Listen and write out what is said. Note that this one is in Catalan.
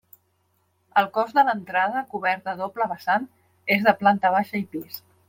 El cos de l'entrada, cobert a doble vessant, és de planta baixa i pis.